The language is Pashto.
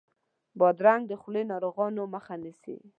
بادرنګ د خولې ناروغیو مخه نیسي.